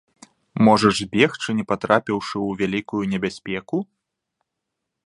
Можаш збегчы, не патрапіўшы ў вялікую небяспеку?